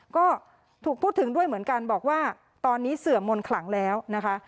ก็ถูกพูดถึงด้วยเหมือนกันบอกว่าตอนนี้เสื่อมมนต์ขลังแล้วนะคะ